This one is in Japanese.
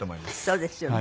そうですよね。